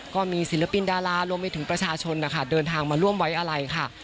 ก็มีศิลปินดารารวมไปถึงประชาชนนะคะเดินทางมาร่วมไว้อะไรค่ะ